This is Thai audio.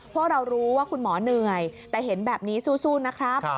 พวกเรารู้ว่าคุณหมอเหนื่อยแต่เห็นแบบนี้สู้นะครับ